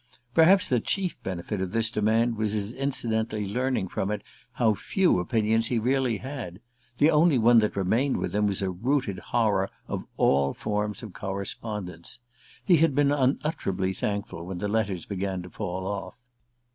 Perhaps the chief benefit of this demand was his incidentally learning from it how few opinions he really had: the only one that remained with him was a rooted horror of all forms of correspondence. He had been unutterably thankful when the letters began to fall off.